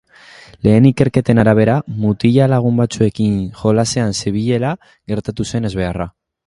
Lehen ikerketen arabera, mutila lagun batzuekin jolasean zebilela gertatu zen ezbeharra.